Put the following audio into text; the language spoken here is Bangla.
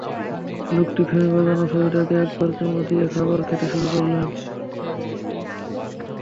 লোকটি ফ্রেমে বাঁধানো ছবিটাতে একটা চুমু দিয়ে খাবার খেতে শুরু করলেন।